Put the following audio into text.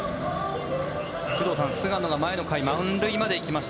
工藤さん、菅野が前の回、満塁まで行きました。